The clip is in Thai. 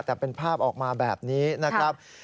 แต่เป็นภาพออกมาแบบนี้นะครับ